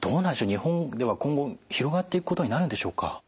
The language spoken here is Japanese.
日本では今後広がっていくことになるんでしょうか？